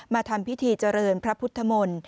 มาทำพิธีเจริญพระพุทธมล